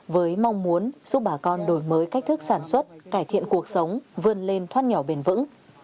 với mong muốn giúp bà con đổi mới cách thức sản xuất cải thiện cuộc sống vươn lên thoát nghèo bền vững